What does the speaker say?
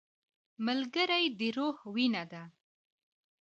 ملګری د روح وینه ده